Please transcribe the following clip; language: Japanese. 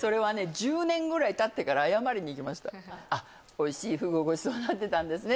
おいしいフグをごちそうになってたんですね